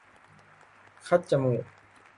คัดจมูก